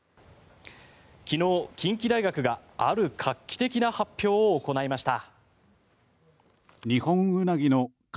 昨日、近畿大学がある画期的な発表を行いました。